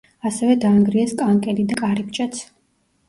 ასევე დაანგრიეს კანკელი და კარიბჭეც.